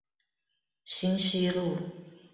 興西路